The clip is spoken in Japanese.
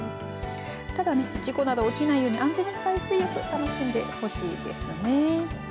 ただ、事故などが起きないように安全な海水浴を楽しんでほしいですね。